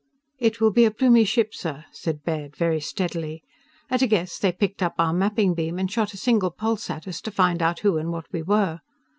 "It will be a Plumie ship, sir," said Baird very steadily. "At a guess, they picked up our mapping beam and shot a single pulse at us to find out who and what we were.